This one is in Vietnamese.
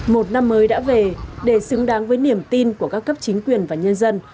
một năm mới đã về để xứng đáng với niềm tin của các cấp chính quyền và nhân dân